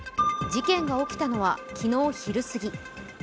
事件が起きたのは昨日昼すぎ。